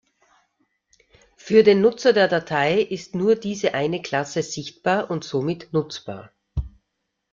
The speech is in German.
Für den Nutzer der Datei ist nur diese eine Klasse sichtbar und somit nutzbar.